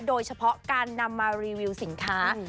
โดยเฉพาะการนำมารีวิวสินค้า